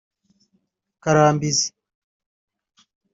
Karambizi